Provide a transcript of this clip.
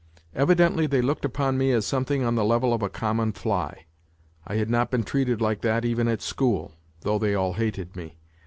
Evidently they looked upon me as something on the level of a common fly. I had not been treated like that even at school, though they all hated me.